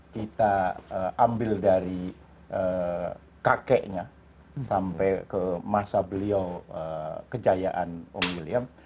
kita ambil dari kakeknya sampai ke masa beliau kejayaan om william